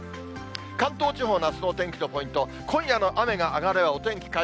関東地方のあすのお天気のポイント、今夜の雨が上がればお天気回